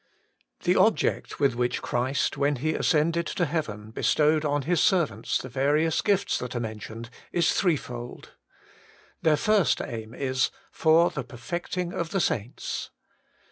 THE object with which Christ when He ascended to heaven bestowed on His servants the various gifts that are men tioned is threefold. Their first aim is — for the perfecting of the saints.